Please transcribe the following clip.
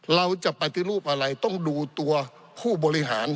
เราจะปฏิรูปอะไรต้องดูตัวผู้บริหาร